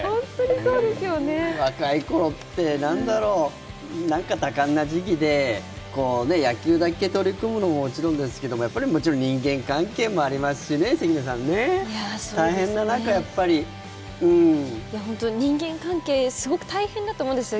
若いころってなんだろう、多感な時期で野球だけ取り組むのももちろんですけれどもやっぱりもちろん人間関係もありますしね、関水さんね、人間関係、すごく大変だと思うんですよ。